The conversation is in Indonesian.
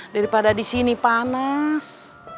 daripada di sini panas